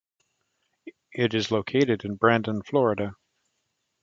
It is located in Brandon, Florida.